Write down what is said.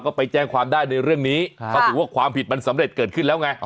ก็ไปแจ้งความได้ในเรื่องนี้เขาถือว่าความผิดมันสำเร็จเกิดขึ้นแล้วไง